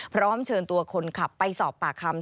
พร้อมเชิญตัวคนขับไปสอบปากคำ